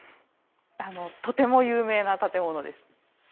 あのとても有名な建物です。